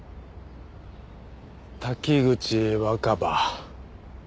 滝口若葉。